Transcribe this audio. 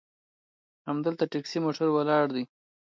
همدلته ټیکسي موټر ولاړ دي.